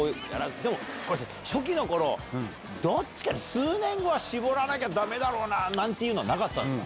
でも初期の頃どっちかに数年後は絞らなきゃダメだろうななんていうのはなかったですか？